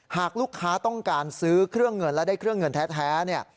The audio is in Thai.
หากลูกค้าต้องการซื้อเครื่องเงินและได้เครื่องเงินแท้เนี่ย